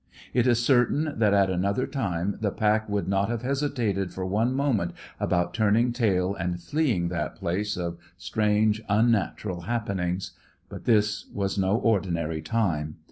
It is certain that at another time the pack would not have hesitated for one moment about turning tail and fleeing that place of strange, unnatural happenings. But this was no ordinary time.